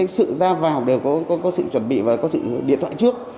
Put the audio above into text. sự ra vào đều có sự chuẩn bị và có sự điện thoại trước